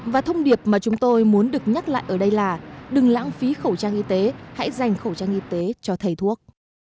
và thông điệp mà chúng tôi muốn được nhắc lại ở đây là đừng lãng phí khẩu trang y tế hãy dành khẩu trang y tế cho thầy thuốc